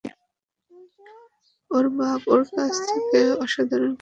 ওর বাপ ওর কাছ থেকে অসাধারণ কিছু প্রত্যাশা করেন নি।